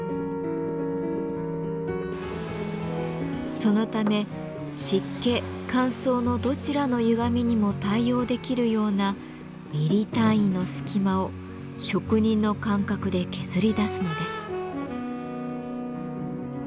そのため湿気乾燥のどちらのゆがみにも対応できるようなミリ単位の隙間を職人の感覚で削り出すのです。